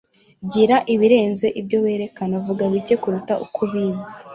gira ibirenze ibyo werekana, vuga bike kuruta uko ubizi